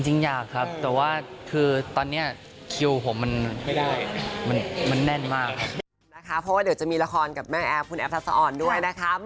จริงอยากครับแต่ว่าคือตอนนี้คิวผมมันแน่นมาก